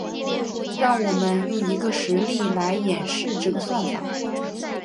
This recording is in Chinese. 让我们用一个实例来演示这个算法。